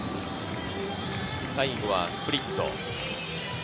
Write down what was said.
最後はスプリット。